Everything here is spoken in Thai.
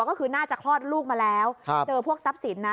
ก็คือน่าจะคลอดลูกมาแล้วเจอพวกทรัพย์สินนะ